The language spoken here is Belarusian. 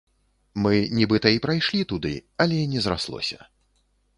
Мы нібыта і прайшлі туды, але не зраслося.